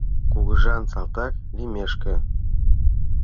Кугыжан салтак лиймешке